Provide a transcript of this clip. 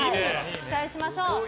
期待しましょう。